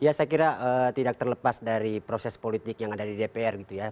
ya saya kira tidak terlepas dari proses politik yang ada di dpr gitu ya